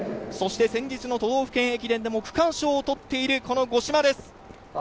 そして、先日の都道府県駅伝でも区間賞を取っている五島です。